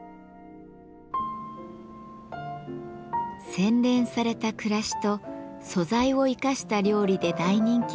洗練された暮らしと素材を生かした料理で大人気の料理研究家